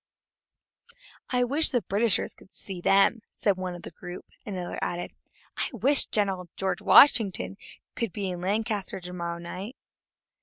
"I wish the Britishers could see them!" said one of the group; and another added: "I wish General Washington could be in Lancaster to morrow night!"